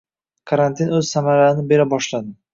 Karantin o`z samaralarini bera boshladi